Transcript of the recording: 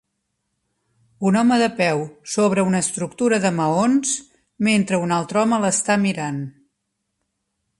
Un home de peu sobre una estructura de maons mentre un altre home l"està mirant.